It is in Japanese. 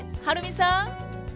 はるみさん。